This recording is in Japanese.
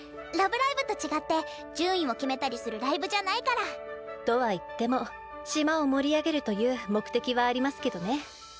「ラブライブ！」と違って順位を決めたりするライブじゃないから。とはいっても島を盛り上げるという目的はありますけどね。